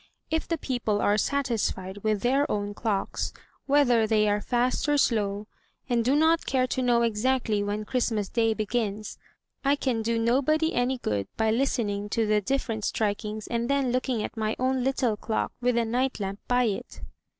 If the people are satisfied with their own clocks, whether they are fast or slow, and do not care to know exactly when Christmas Day begins, I can do nobody any good 268 THE TREASURE CHEST by listening to the different strikings and then looking at my own little clock, with a night lamp by it."